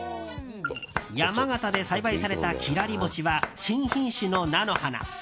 山形で栽培されたキラリボシは新品種の菜の花。